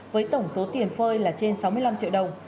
với tổng số tiền phơi là trên sáu mươi năm triệu đồng